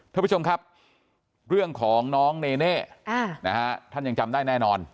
ท่านผู้ชมครับเรื่องของน้องเนเน่ท่านยังจำได้แน่นอน